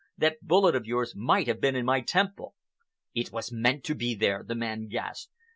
That bullet of yours might have been in my temple." "It was meant to be there," the man gasped.